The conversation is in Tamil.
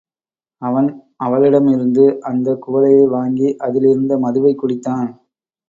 அவன் அவளிடமிருந்து அந்தக் குவளையை வாங்கி அதில் இருந்த மதுவைக் குடித்தான்.